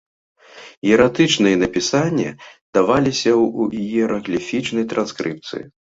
Іератычныя напісанні даваліся ў іерагліфічнай транскрыпцыі.